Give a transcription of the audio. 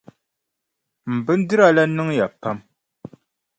M bindira la niŋya pam.